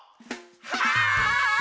はい！